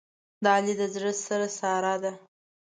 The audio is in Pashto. د علي د زړه سر ساره ده.